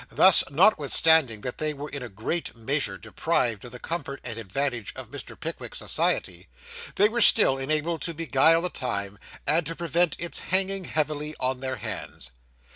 Thus, notwithstanding that they were in a great measure deprived of the comfort and advantage of Mr. Pickwick's society, they were still enabled to beguile the time, and to prevent its hanging heavily on their hands.